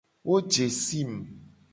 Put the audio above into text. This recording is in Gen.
Wo je sim.